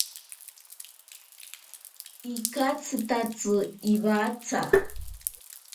Ikatsitatsi iwatsa.